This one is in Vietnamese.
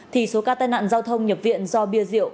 thì số ca tai nạn giao thông nhập viện do bia rượu